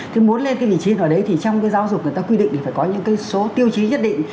thế muốn lên cái vị trí vào đấy thì trong cái giáo dục người ta quy định thì phải có những cái số tiêu chí nhất định